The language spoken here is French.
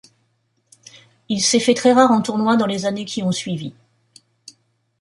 Il s'est fait très rare en tournoi dans les années qui ont suivi.